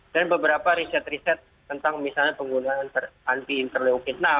dan beberapa riset riset tentang misalnya penggunaan anti interleukin enam